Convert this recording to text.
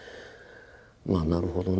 まあなるほどね